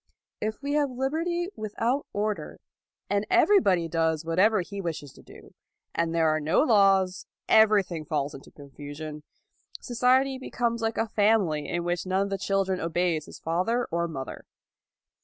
If we have liberty without order, and everybody does whatever he wishes to do, and there are no laws, everything falls into confusion: society becomes like a family in which none of the children obeys his father or mother.